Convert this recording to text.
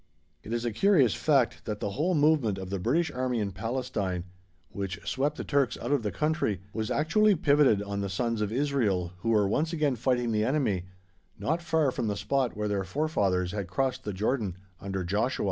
It is a curious fact that the whole movement of the British Army in Palestine, which swept the Turks out of the country, was actually pivoted on the sons of Israel, who were once again fighting the enemy, not far from the spot where their forefathers had crossed the Jordan under Joshua.